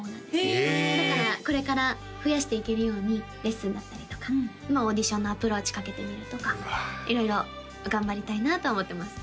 へえだからこれから増やしていけるようにレッスンだったりとかオーディションのアプローチかけてみるとか色々頑張りたいなと思ってます